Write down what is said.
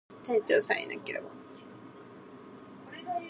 He wrote the lyrics and recorded the vocals for the song Headwound.